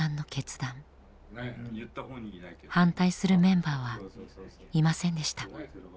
反対するメンバーはいませんでした。